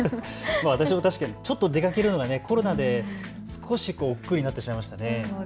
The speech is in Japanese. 私も確かにちょっと出かけるのがコロナで少しおっくうになってしまいましたね。